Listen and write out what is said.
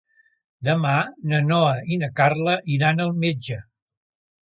Demà na Noa i na Carla iran al metge.